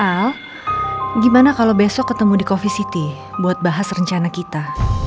nah gimana kalau besok ketemu di coffee city buat bahas rencana kita